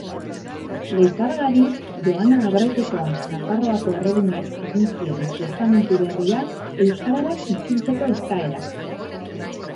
Leizarragari Joana Abretekoa Nafarroako erreginak egin zion testamentu berria euskarara itzultzeko eskaera.